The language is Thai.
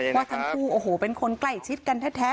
ว่าทั้งคู่โอ้โหเป็นคนใกล้ชิดกันแท้